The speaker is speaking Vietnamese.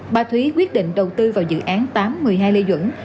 bà thúy quyết định đầu tư vào dự án tám một mươi hai lê duẩn